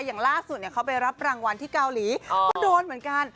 อย่างล่าสุดเขาไปรับรางวัลที่เกาหลีก็โดนเหมือนกัน